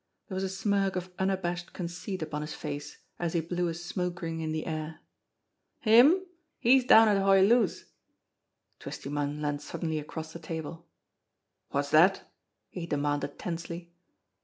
There was a smirk of unabashed conceit upon his face, as he blew a smoke ring in the air. "Him? He's down at Hoy Loo's." Twisty Munn leaned suddenly across the table. "Wot's dat?" he demanded tensely.